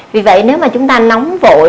vì vậy nếu mà chúng ta nóng vội